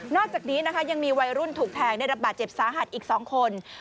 อกจากนี้นะคะยังมีวัยรุ่นถูกแทงได้รับบาดเจ็บสาหัสอีก๒คน